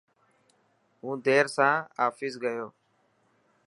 هون دير سان آفيس گيو.